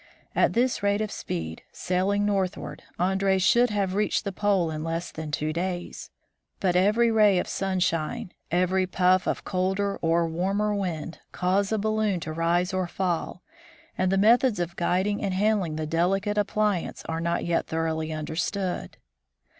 At this rate of speed, sailing northward, Andree should have reached the pole in less than two days. But every ray of sunshine, every puff of colder or warmer wind, cause a balloon to rise or fall, and the methods of guiding and handling the delicate appli ance are not yet thoroughly understood.